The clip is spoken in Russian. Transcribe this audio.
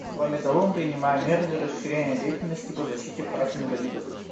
Кроме того, мы принимаем меры для расширения деятельности по защите прав инвалидов.